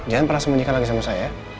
jangan pernah sembunyikan lagi sama saya